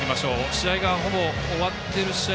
試合が終わっている試合